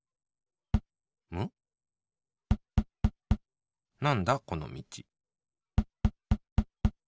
むっなんだこのみち。